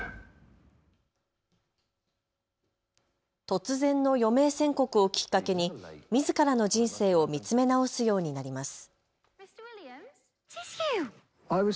突然の余命宣告をきっかけにみずからの人生を見つめ直すようになります。